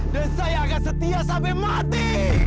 dan saya akan setia sampai mati